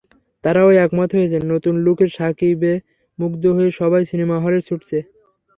তাঁরাও একমত হয়েছেন, নতুন লুকের শাকিবে মুগ্ধ হয়ে সবাই সিনেমা হলে ছুটেছে।